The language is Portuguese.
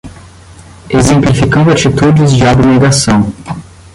Exemplificando atitudes de abnegação